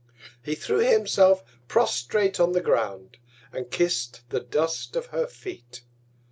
He threw himself prostrate on the Ground, and kiss'd the Dust of her Feet.